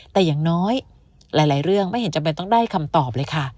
แต่อย่างน้อยหลายเรื่องไม่เห็นจำเป็นต้องได้คำตอบเลยค่ะ